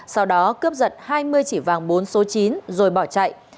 sau đó cướp giật hai mươi chỉ vàng bốn số chín rồi bỏ chạy